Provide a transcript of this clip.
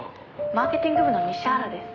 「マーケティング部の西原です」